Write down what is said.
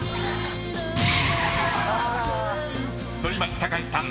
［反町隆史さん